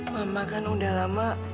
mama kan udah lama